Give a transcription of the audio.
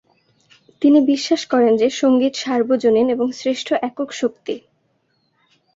তিনি বিশ্বাস করেন যে সঙ্গীত সার্বজনীন এবং শ্রেষ্ঠ একক শক্তি।